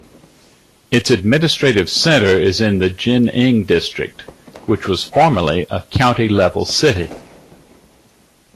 Its administrative centre is in Jining District, which was formerly a county-level city.